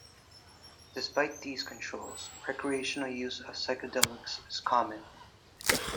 Despite these controls, recreational use of psychedelics is common.